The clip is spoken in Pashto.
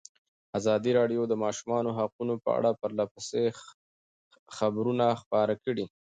ازادي راډیو د د ماشومانو حقونه په اړه پرله پسې خبرونه خپاره کړي.